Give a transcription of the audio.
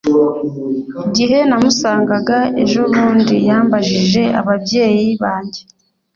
Igihe namusangaga ejobundi yambajije ababyeyi banjye